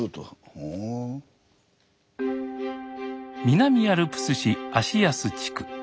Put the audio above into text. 南アルプス市芦安地区。